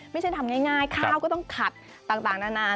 ไม่ใช่ทำง่ายข้าวก็ต้องขัดต่างนาน